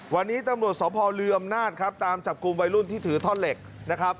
วันนี้ตำรวจสภลืออำนาจครับตามจับกลุ่มวัยรุ่นที่ถือท่อนเหล็กนะครับ